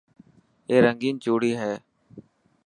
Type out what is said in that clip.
اي رنگين چوڙي هي.